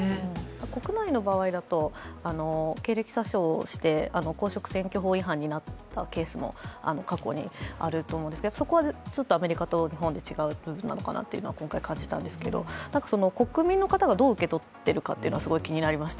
国内の場合だと経歴詐称して罪になったことが過去にあると思うんですけど、そこはアメリカと日本で違う部分なのかなというのは今回感じたんですけど、国民の方がどう受け取っているかというのは気になりました。